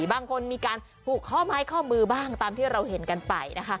บางคนมีการผูกข้อไม้ข้อมือบ้างตามที่เราเห็นกันไปนะคะ